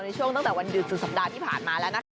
ในช่วงตั้งแต่วันดืวสุดสัปดาห์ที่ผ่านมา